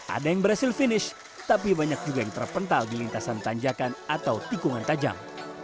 ada yang berhasil finish tapi banyak juga yang terpental di lintasan tanjakan atau tikungan tajam